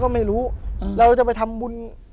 ผมก็ไม่เคยเห็นว่าคุณจะมาทำอะไรให้คุณหรือเปล่า